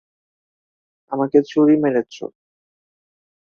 আমাকে ছুরি মেরেছো?